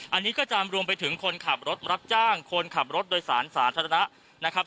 อันนี้ก็จะรวมไปถึงคนขับรถรับจ้างคนขับรถโดยสารสาธารณะนะครับ